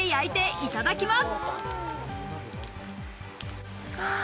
いただきます。